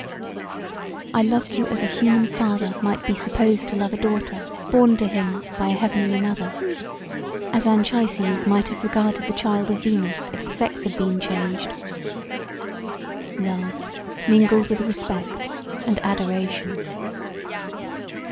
I loved you as a human father might be supposed to love a daughter borne to him by a heavenly mother; as Anchises might have regarded the child of Venus if the sex had been changed; love mingled with respect and adoration.